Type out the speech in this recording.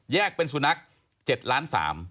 เป็นสุนัข๗ล้าน๓